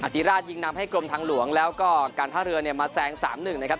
ติราชยิงนำให้กรมทางหลวงแล้วก็การท่าเรือเนี่ยมาแซง๓๑นะครับ